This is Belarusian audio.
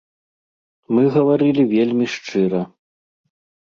Мы гаварылі вельмі шчыра.